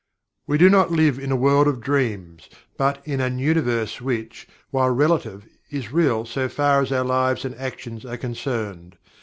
We do not live in a world of dreams, but in an Universe which while relative, is real so far as our lives and actions are concerned.